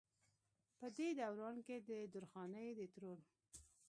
پۀ دې دوران کښې د درخانۍ د ترور